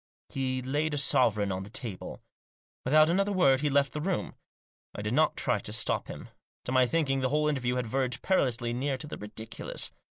He laid a sovereign on the table. Without another word he left the room. I did not try to stop him. To my thinking the whole interview had verged perilously near to the ridiculous.